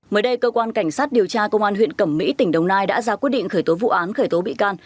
mới đây cơ quan cảnh sát điều tra công an huyện cẩm mỹ tỉnh đồng nai đã ra quyết định khởi tố vụ án khởi tố bị can